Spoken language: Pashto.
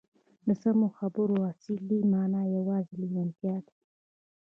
د سمو خبرو اصلي مانا یوازې لېوالتیا ده